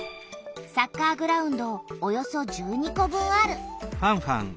サッカーグラウンドおよそ１２個分ある。